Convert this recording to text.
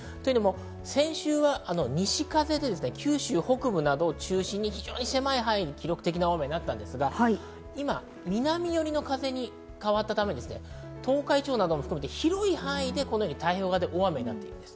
先週は西風で九州北部などを中心に狭い範囲に記録的な大雨になったんですが、今、南よりの風に変わったため、東海地方なども含めて広い範囲で太平洋側で大雨になっているんです。